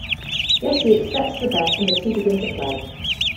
Jesse accepts the bet and the two begin to play.